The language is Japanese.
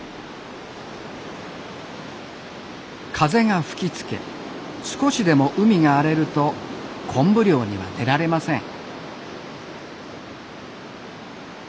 風が吹きつけ少しでも海が荒れると昆布漁には出られません。